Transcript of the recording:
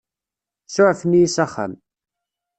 Suɛfen-iyi s axxam.